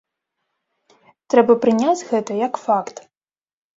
Трэба прыняць гэта, як факт.